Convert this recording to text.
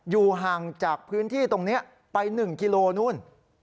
อยู่ห่างจากพื้นที่ตรงนี้ไป๑กิโลนู่น